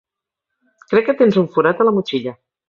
Crec que tens un forat a la motxilla.